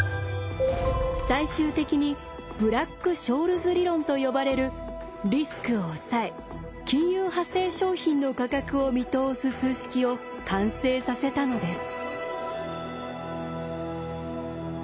最終的にブラック・ショールズ理論と呼ばれるリスクをおさえ金融派生商品の価格を見通す数式を完成させたのです。